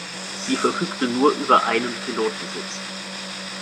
Sie verfügte nur über einen Pilotensitz.